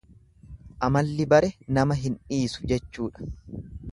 Amalli bare nama hin dhiisu jechuudha.